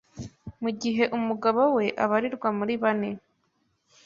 mu gihe umugabo we abarirwa muri bane